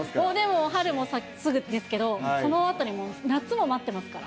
もう、春もすぐですけど、そのあとに夏も待ってますから。